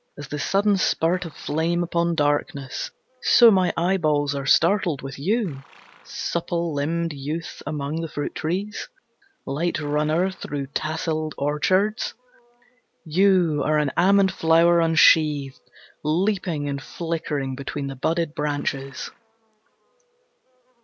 As the sudden spurt of flame upon darkness So my eyeballs are startled with you, Supple limbed youth among the fruit trees, Light runner through tasselled orchards. You are an almond flower unsheathed Leaping and flickering between the budded branches.